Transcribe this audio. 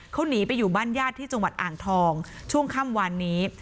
เขาหนีไปอยู่บ้านญาติที่จังหวัดอ่างทองช่วงค่ำวานนี้